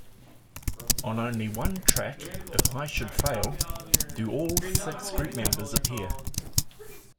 On only one track, "If I Should Fail", do all six group members appear.